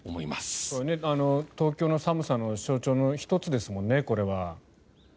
これは東京の寒さの象徴の１つですもんね。